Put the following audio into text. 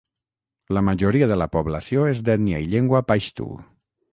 La majoria de la població és d'ètnia i llengua paixtu.